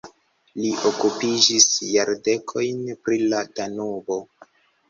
Li okupiĝis jardekojn pri la Danubo.